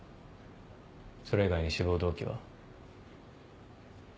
それ以外に志望動機は？